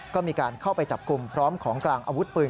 ก็มีการเข้าไปจับกลุ่มพร้อมของกลางอาวุธปืน